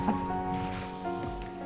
coba deh aku telepon